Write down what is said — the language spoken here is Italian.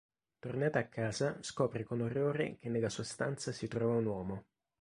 Tornata a casa, scopre con orrore che nella sua stanza si trova un uomo.